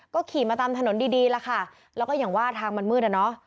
ก็ขี่มาตามถนนดีดีล่ะค่ะแล้วก็อย่างว่าทางมันมืดอ่ะเนอะ